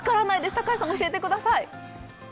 高安さん、教えてください。